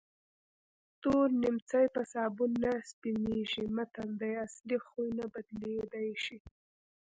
تور نیمڅی په سابون نه سپینېږي متل د اصلي خوی نه بدلېدل ښيي